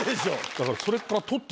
だから。